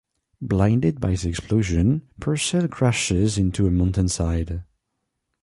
Blinded by the explosion, Purcell crashes into a mountainside.